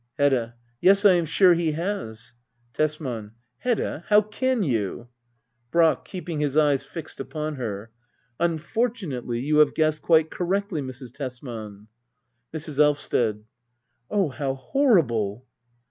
Hedda. Yes^ I am sure he has. Tesman. Hedda^ how can you ? Brack. [Keeping his eyes fixed upon her.] Unfortu nately you have guessed quite correctly, Mrs. Tesman. Mrs, Elvsted. Oh, how horrible